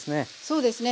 そうですね。